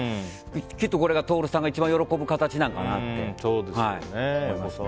きっとこれが徹さんが一番喜ぶ形なんかなと思いますね。